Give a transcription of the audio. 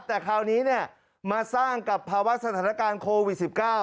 แต่คราวนี้มาสร้างกับภาวะสถานการณ์โควิด๑๙